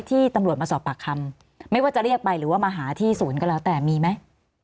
ที่ตำรวจมาสอบปากคำไม่ว่าจะเรียกไปหรือว่ามาหาที่ศูนย์ก็แล้วแต่มีไหม